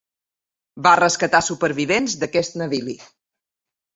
Va rescatar supervivents d'aquest navili.